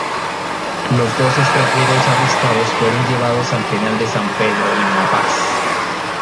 Los dos extranjeros arrestados fueron llevados al penal de San Pedro, en La Paz.